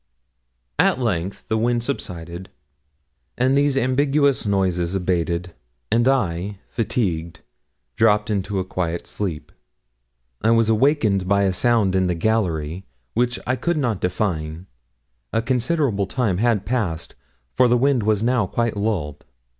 At length the wind subsided, and these ambiguous noises abated, and I, fatigued, dropped into a quiet sleep. I was awakened by a sound in the gallery which I could not define. A considerable time had passed, for the wind was now quite lulled.